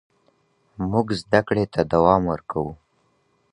موږ زده کړي ته دوام ورکوو.